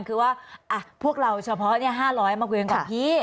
คือว่าพวกเราเฉพาะ๕๐๐มาเวียงกับพี่